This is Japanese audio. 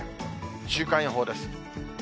週間予報です。